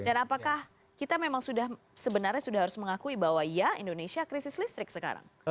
dan apakah kita memang sudah sebenarnya sudah harus mengakui bahwa ya indonesia krisis listrik sekarang